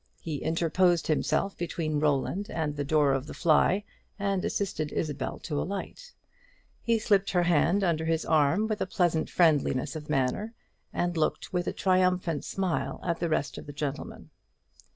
He interposed himself between Roland and the door of the fly, and assisted Isabel to alight. He slipped her hand under his arm with a pleasant friendliness of manner, and looked with a triumphant smile at the rest of the gentlemen.